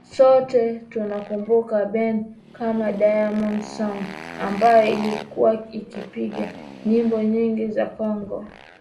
Sote tunakumbuka bendi kama Diamond Sound ambayo ilikuwa ikipiga nyimbo nyingi za Congo